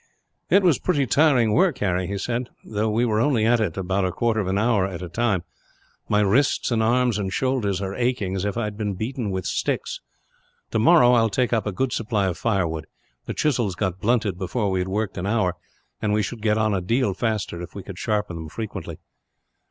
"It was pretty tiring work, Harry," he said, "though we were only at it about a quarter of an hour, at a time. My wrists and arms and shoulders are aching, as if I had been beaten with sticks. Tomorrow I will take up a good supply of firewood. The chisels got blunted before we had worked an hour; and we should get on a deal faster, if we could sharpen them frequently."